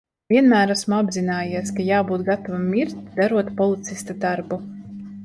Vienmēr esmu apzinājies, ka jābūt gatavam mirt, darot policista darbu.